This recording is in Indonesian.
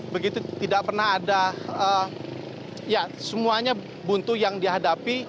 begitu tidak pernah ada ya semuanya buntu yang dihadapi